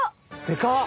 でか！